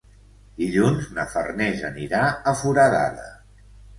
Dilluns na Farners anirà a Foradada.